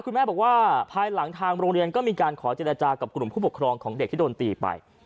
คุณแม่บอกว่าภายหลังทางโรงเรียนก็มีการขอเจรจากับกลุ่มผู้ปกครองของเด็กที่โดนตีไป